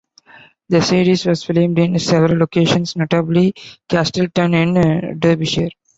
The series was filmed in several locations, notably Castleton in Derbyshire.